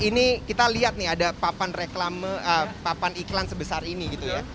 ini kita lihat nih ada papan iklan sebesar ini gitu ya